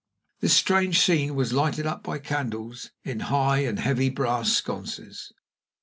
This strange scene was lighted up by candles in high and heavy brass sconces.